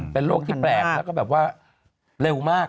เป็นโรคที่แปลกแล้วก็แบบว่าเร็วมาก